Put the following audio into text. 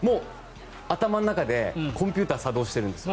頭の中でコンピューターが作動してるんです。